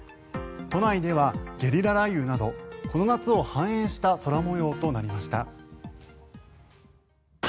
都内ではゲリラ雷雨などこの夏を反映した空模様となりました。